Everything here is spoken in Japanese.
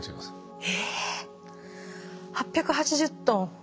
８８０トン。